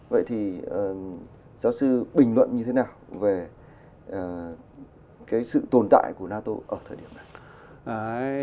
vậy thì giáo sư bình luận như thế nào về sự tồn tại của nato ở thời điểm này